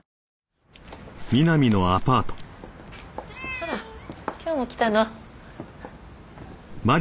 あら今日も来たの？